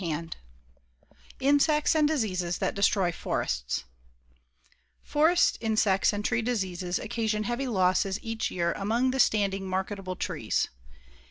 CHAPTER VII INSECTS AND DISEASES THAT DESTROY FORESTS Forest insects and tree diseases occasion heavy losses each year among the standing marketable trees.